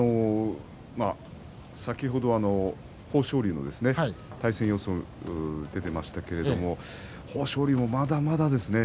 先ほど豊昇龍の対戦予想が出ていましたが豊昇龍もまだまだですね。